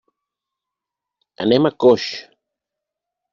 Anem a Coix.